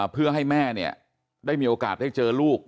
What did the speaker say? เพื่อให้แม่ได้มีโอกาสได้เจอลูก